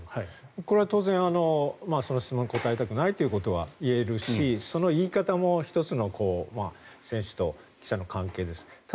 これは当然その質問は答えたくないということは言えるしその言い方も１つの選手と記者の関係です。